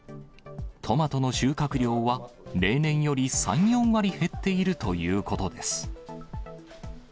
トマトの収穫量は例年より３、４割減っているということです。